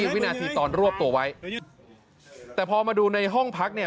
วินาทีตอนรวบตัวไว้แต่พอมาดูในห้องพักเนี่ย